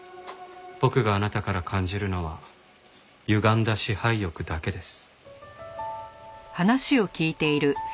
僕があなたから感じるのはゆがんだ支配欲だけです。